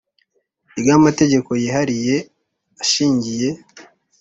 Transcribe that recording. Ry amategeko yihariye ashingiye